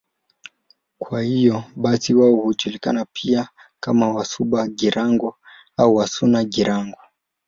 Kwa hiyo basi wao hujulikana pia kama Wasuba-Girango au Wasuna-Girango.